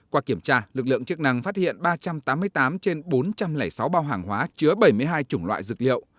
qua kiểm tra lực lượng chức năng phát hiện ba trăm tám mươi tám trên bốn trăm linh sáu bao hàng hóa chứa bảy mươi hai chủng loại dược liệu